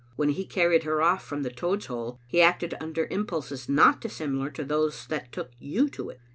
When he carried her off from the Toad's hole, he acted under impulses not dissimilar to those that took you to it.